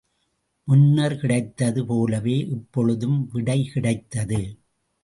முன்னர் கிடைத்தது போலவே இப்பொழுதும் விடை கிடைத்தது.